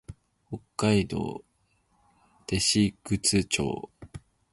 北海道弟子屈町